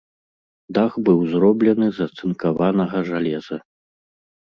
Дах быў зроблены з ацынкаванага жалеза.